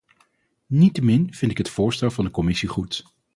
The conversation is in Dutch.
Niettemin vind ik het voorstel van de commissie goed.